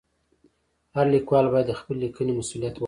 هر لیکوال باید د خپلې لیکنې مسؤلیت واخلي.